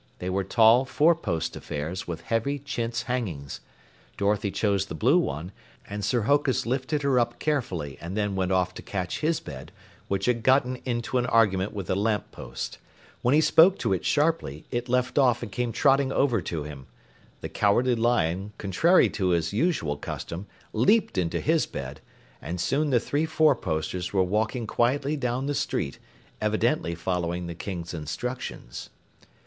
They were tall, four post affairs with heavy chintz hangings. Dorothy chose the blue one, and Sir Hokus lifted her up carefully and then went off to catch his bed, which had gotten into an argument with a lamppost. When he spoke to it sharply, it left off and came trotting over to him. The Cowardly Lion, contrary to his usual custom, leaped into his bed, and soon the three four posters were walking quietly down the street, evidently following the King's instructions.